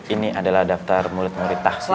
ini adalah daftar mulut murid tahsin kita